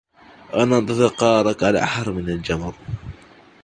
أنا أنتظر قرارك على أحر من الجمر.